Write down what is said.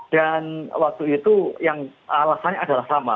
dan waktu itu yang alasannya adalah sama